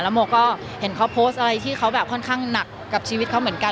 โมก็เห็นเขาโพสต์อะไรที่เขาแบบค่อนข้างหนักกับชีวิตเขาเหมือนกัน